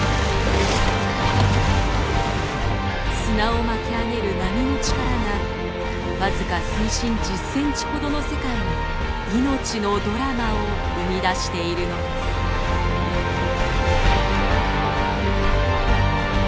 砂を巻き上げる波の力が僅か水深１０センチほどの世界に命のドラマを生み出しているのです。